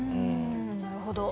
なるほど。